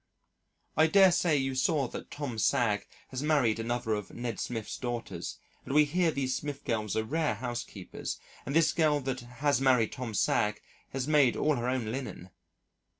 I dare say you saw that Tom Sagg has married another of Ned Smith's daughters and we hear these Smith girls are rare housekeepers and this girl that has married Tom Sagg has made all her own linen.